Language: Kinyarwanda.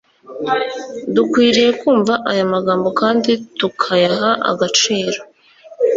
dukwiriye kumva aya magambo kandi tukayaha agaciro